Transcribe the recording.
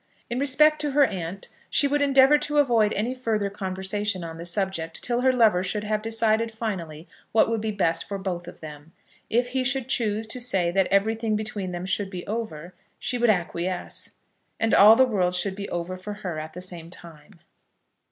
In respect to her aunt, she would endeavour to avoid any further conversation on the subject till her lover should have decided finally what would be best for both of them. If he should choose to say that everything between them should be over, she would acquiesce, and all the world should be over for her at the same time.